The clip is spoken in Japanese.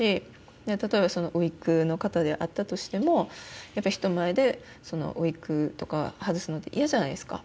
例えばウィッグの方であったとしてもやっぱり人前でウィッグとか外すのって嫌じゃないですか